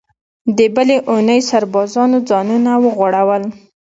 د بلې اوونۍ سربازانو ځانونه وغوړول.